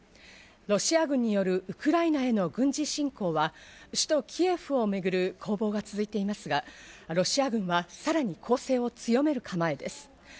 ロシア軍によるウクライナへの軍事侵攻は首都キエフをめぐる攻防が続いていますが、ロシア軍はさらに攻勢を強める構えです。